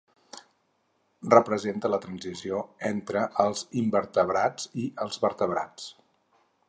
Representa la transició entre els invertebrats i els vertebrats.